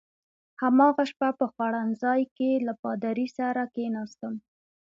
هماغه شپه په خوړنځای کې له پادري سره کېناستم.